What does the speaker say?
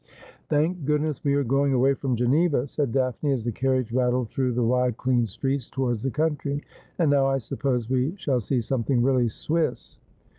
' Thank goodness we are going away from G eneva,' said Daphne, as the carriage rattled through the wide clean streets towards the country ;' and now I suppose we shall see something really Swiss.'